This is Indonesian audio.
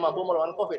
mampu melawan kofit